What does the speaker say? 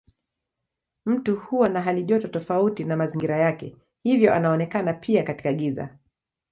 Mtu huwa na halijoto tofauti na mazingira yake hivyo anaonekana pia katika giza.